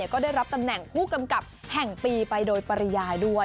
ก็ได้รับตำแหน่งผู้กำกับแห่งปีไปโดยปริยายด้วย